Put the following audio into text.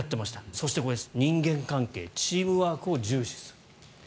そして人間関係チームワークを重視すると。